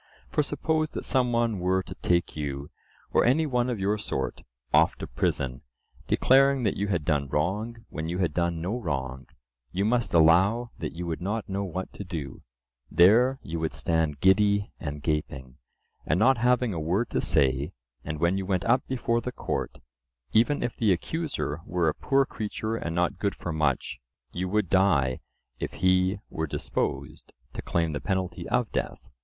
For suppose that some one were to take you, or any one of your sort, off to prison, declaring that you had done wrong when you had done no wrong, you must allow that you would not know what to do:—there you would stand giddy and gaping, and not having a word to say; and when you went up before the Court, even if the accuser were a poor creature and not good for much, you would die if he were disposed to claim the penalty of death.